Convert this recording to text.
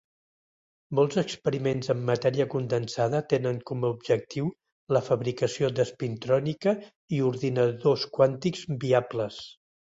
Molts experiments en matèria condensada tenen com a objectiu la fabricació d'espintrònica i ordinadors quàntics viables.